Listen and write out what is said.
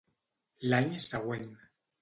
L'any següent.